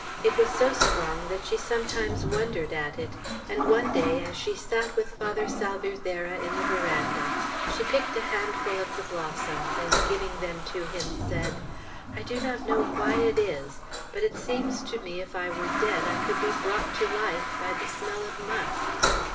It was so strong that she sometimes wondered at it; and one day, as she sat with Father Salvierderra in the veranda, she picked a handful of the blossoms, and giving them to him, said, "I do not know why it is, but it seems to me if I were dead I could be brought to life by the smell of musk."